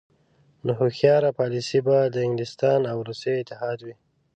نو هوښیاره پالیسي به د انګلستان او روسیې اتحاد وي.